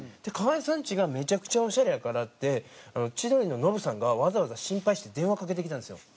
河井さんちがめちゃくちゃオシャレやからって千鳥のノブさんがわざわざ心配して電話かけてきたんですよ。